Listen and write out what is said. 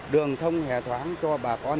đường thông hề thoáng cho bà con